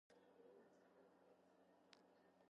სოფელში მოიპოვება თიხა.